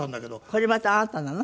これまたあなたなの？